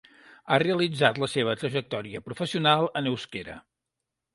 Ha realitzat la seva trajectòria professional en euskera.